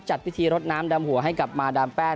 จัดพิธีรดน้ำดำหัวให้กับมาดามแป้ง